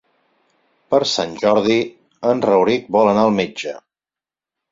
Per Sant Jordi en Rauric vol anar al metge.